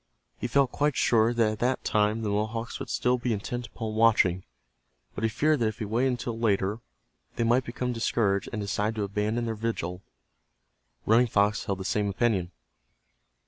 He felt quite sure that at that time the Mohawks would still be intent upon watching, but he feared that if he waited until later they might become discouraged and decide to abandon their vigil. Running Fox held the same opinion.